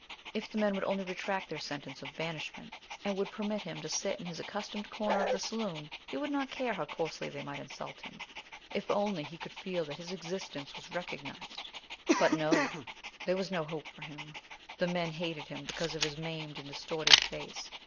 If the men would only retract their sentence of banishment, and would permit him to sit in his accustomed corner of the saloon he would not care how coarsely they might insult him if only he could feel that his existence was recognized. But no! There was no hope for him. The men hated him because of his maimed and distorted face.